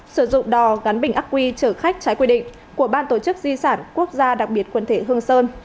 sử dụng đò gắn bình ắc quy trở khách trái quy định của ban tổ chức di sản quốc gia đặc biệt quân thể hương sơn